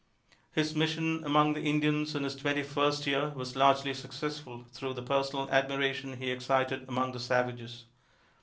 His mission among the Indians in his twenty first year was largely successful through the personal admiration he excited among the savages.